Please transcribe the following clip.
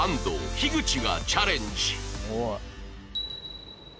樋口がチャレンジ